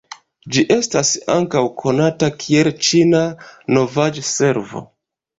Ĝi estas ankaŭ konata kiel Ĉina Novaĵ-Servo.